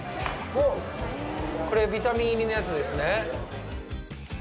これ、ビタミン入りのやつですね？